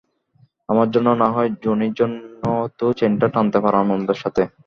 আমার জন্য না হয় জুনির জন্য তো চেন টা টানতে পারো আনন্দের সাথে।